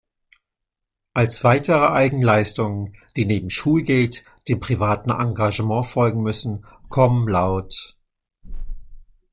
Als weitere Eigenleistungen, die neben Schulgeld dem privaten Engagement folgen müssen, kommen lt.